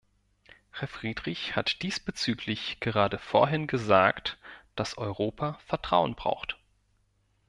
Herr Friedrich hat diesbezüglich gerade vorhin gesagt, dass Europa Vertrauen braucht.